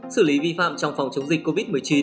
xử lý vi phạm trong phòng chống dịch covid một mươi chín